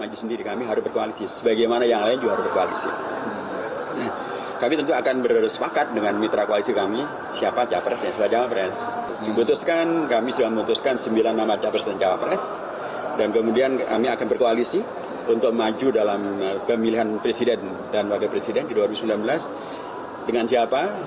untuk maju dalam pemilihan presiden dan wakil presiden di dua ribu sembilan belas dengan siapa